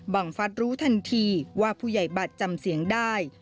ฟัดรู้ทันทีว่าผู้ใหญ่บัตรจำเสียงได้